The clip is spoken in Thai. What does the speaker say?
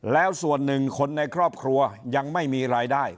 แล้วส่วนหนึ่งคนในครอบครัวยังไม่มีรายได้